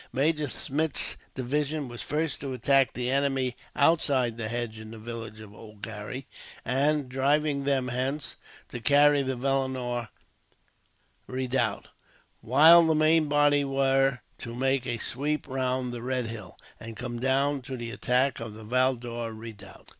Major Smith's division was first to attack the enemy, outside the hedge in the village of Oulgarry; and, driving them hence, to carry the Vellenore redoubt, while the main body were to make a sweep round the Red Hill, and come down to the attack of the Valdore redoubt.